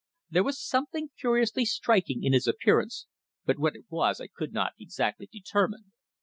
There was something curiously striking in his appearance, but what it was I could not exactly determine.